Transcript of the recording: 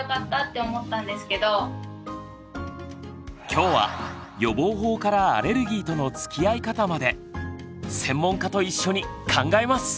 今日は予防法からアレルギーとのつきあい方まで専門家と一緒に考えます。